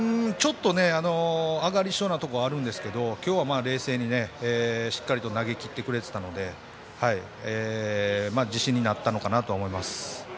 あがり症なところがあるんですが今日は冷静に、しっかりと投げきってくれていたので自信になったかなと思います。